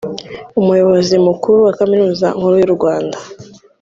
Umuyobozi Mukuru wa Kaminuza Nkuru y’u Rwanda